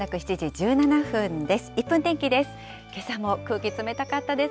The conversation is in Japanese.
１分天気です。